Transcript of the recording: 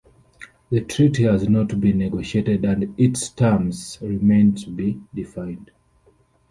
The treaty has not been negotiated and its terms remain to be defined.